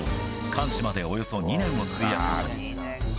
完治までおよそ２年を費やすことに。